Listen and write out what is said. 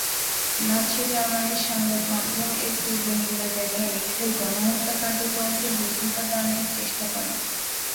Nazi জার্মানির সংবাদমাধ্যম এর তীব্র নিন্দা জানিয়ে নিজেদের গণহত্যা কার্যক্রমকে বৈধতা দানের চেষ্টা করে।